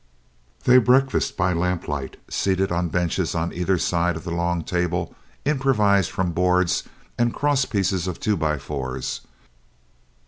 They breakfasted by lamplight, seated on benches on either side of the long table improvised from boards and cross pieces of two by fours.